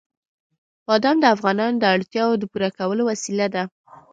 بادام د افغانانو د اړتیاوو د پوره کولو وسیله ده.